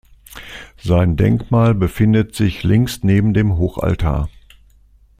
Sein Denkmal befindet sich links neben dem Hochaltar.